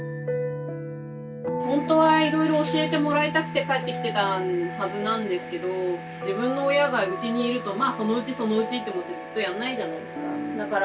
ほんとはいろいろ教えてもらいたくて帰ってきてたはずなんですけど自分の親がうちにいるとまあそのうちそのうちって思ってずっとやんないじゃないですか。